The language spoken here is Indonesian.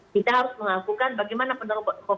kita harus mengakukan bagaimana